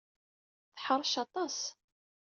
Teḥṛec aṭas.